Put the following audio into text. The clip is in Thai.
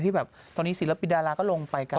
แบบตอนนี้ศิลปินดาราก็ลงไปกัน